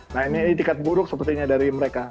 nah ini itikat buruk sepertinya dari mereka